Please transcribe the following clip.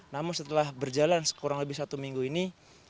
namun setelah berjalan kurang lebih satu minggu ini